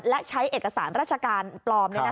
และใช้เอกสารราชการปลอม